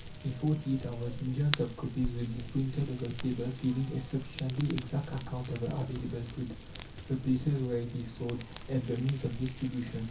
In forty eight hours millions of copies will be printed of the tables giving a sufficiently exact account of the available food, the places where it is stored, and the means of distribution.